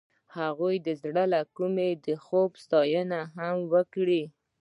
هغې د زړه له کومې د خوب ستاینه هم وکړه.